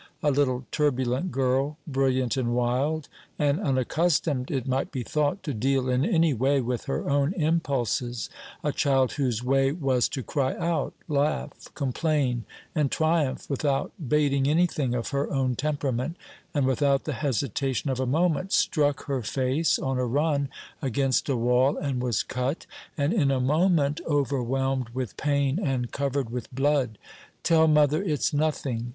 A little turbulent girl, brilliant and wild, and unaccustomed, it might be thought, to deal in any way with her own impulses a child whose way was to cry out, laugh, complain, and triumph without bating anything of her own temperament, and without the hesitation of a moment, struck her face, on a run, against a wall and was cut and in a moment overwhelmed with pain and covered with blood. "Tell mother it's nothing!